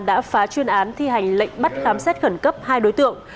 đã phá chuyên án thi hành lệnh bắt khám xét khẩn cấp hai đối tượng